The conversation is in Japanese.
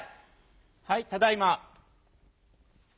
はいただいま。